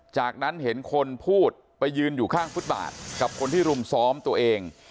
จากนั้นเห็นคนพูดไปยืนอยู่ข้างฟุตบาทกับคนที่รุมซ้อมตัวเอง